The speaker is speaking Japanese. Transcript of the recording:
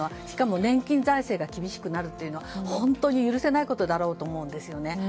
しかも年金財政が厳しくなるというのは本当に許せないことだろうと思うんですよね。